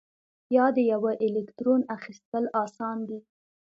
یا د یوه الکترون اخیستل آسان دي؟